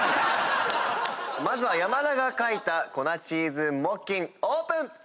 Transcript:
まずは山田が描いた粉チーズ木琴オープン！